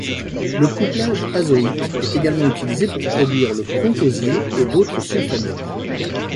Le couplage azoïque est également utilisé pour produire le prontosil et d'autres sulfamides.